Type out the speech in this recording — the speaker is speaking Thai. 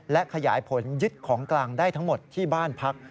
และขยายผลยึดของกลางได้ทั้งหมดที่บ้านพัก